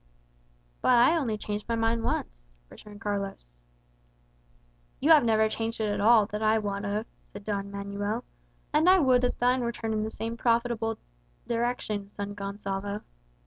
"But I only changed my mind once," returned Carlos. "You have never changed it at all, that I wot of," said Don Manuel. "And I would that thine were turned in the same profitable direction, son Gonsalvo."